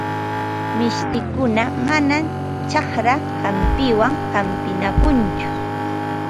Mishtikuna manam chakra hampiwan hampinakunchu.